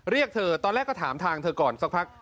เรียกเธอตอนแรกก็ถามทางเธอก่อนสักพัก